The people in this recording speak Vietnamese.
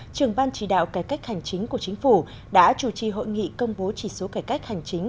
trường ban chỉ đạo cải cách hành chính của chính phủ đã chủ trì hội nghị công bố chỉ số cải cách hành chính